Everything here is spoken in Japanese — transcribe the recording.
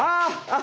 あ！